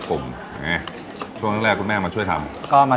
ก็จะได้สูตรที่คุณแม่พอจำเว้มว่ามิสสุดครับ